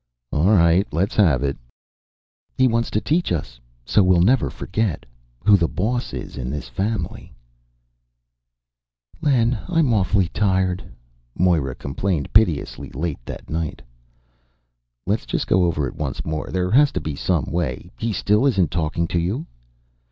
"All right, let's have it." "He wants to teach us so we'll never forget who the boss is in this family." "Len, I'm awfully tired," Moira complained piteously, late that night. "Let's just go over it once more. There has to be some way. He still isn't talking to you?"